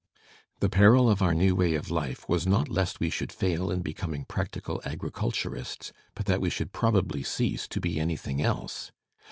The peril of our new way of life was not lest we should fail in becoming practical agriculturists but that we should . probably cease to be anything else.